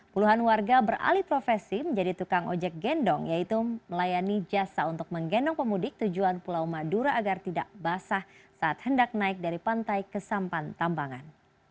puluhan warga beralih profesi menjadi tukang ojek gendong yaitu melayani jasa untuk menggendong pemudik tujuan pulau madura agar tidak basah saat hendak naik dari pantai ke sampan tambangan